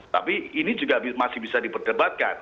tapi ini juga masih bisa diperdebatkan